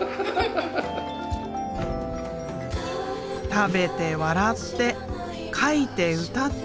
食べて笑って描いて歌って。